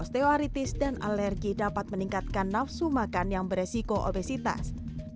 osteoaritis dan alergi dapat meningkatkan nafsu makan yang beresiko obesitas